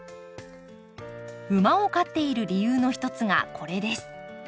馬を飼っている理由の一つがこれです。